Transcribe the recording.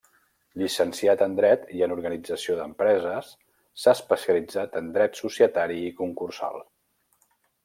Llicenciat en dret i en organització d'empreses, s'ha especialitzat en dret societari i concursal.